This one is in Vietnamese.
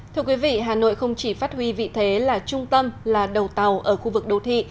thưa quý vị hà nội không chỉ phát huy vị thế là trung tâm là đầu tàu ở khu vực đô thị